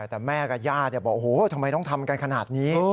แต่แม่กับญาติบอกโอ้โหทำไมต้องทำกันขนาดนี้